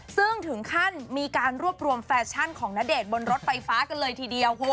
ซึ่งถึงขั้นมีการรวบรวมแฟชั่นของณเดชน์บนรถไฟฟ้ากันเลยทีเดียว